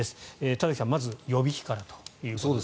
田崎さん、まず予備費からということですが。